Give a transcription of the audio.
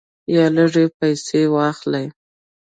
یا لږې پیسې واخلې.